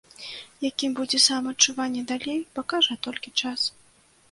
Якім будзе самаадчуванне далей, пакажа толькі час.